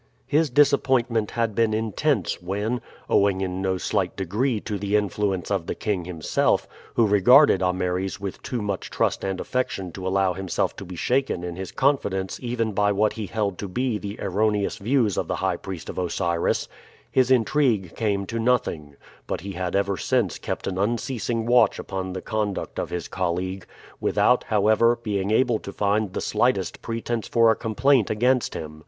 His disappointment had been intense when owing in no slight degree to the influence of the king himself, who regarded Ameres with too much trust and affection to allow himself to be shaken in his confidence even by what he held to be the erroneous views of the high priest of Osiris his intrigue came to nothing; but he had ever since kept an unceasing watch upon the conduct of his colleague, without, however, being able to find the slightest pretense for complaint against him.